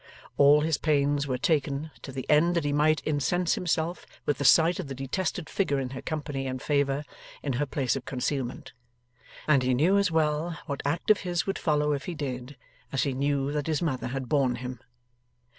All his pains were taken, to the end that he might incense himself with the sight of the detested figure in her company and favour, in her place of concealment. And he knew as well what act of his would follow if he did, as he knew that his mother had borne him.